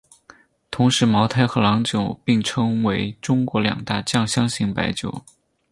同时茅台和郎酒并称为中国两大酱香型白酒。